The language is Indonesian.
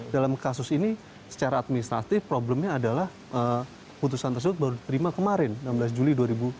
dalam kasus ini secara administratif problemnya adalah putusan tersebut baru terima kemarin enam belas juli dua ribu dua puluh